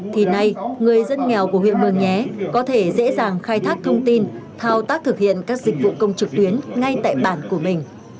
thì nay người dân nghèo của huyện mường nhé có thể dễ dàng khai thác thông tin thao tác thực hiện các dịch vụ công trực tuyến ngay tại bản của mình